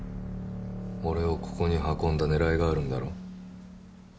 俺をここに運んだ狙いがあるんだろ？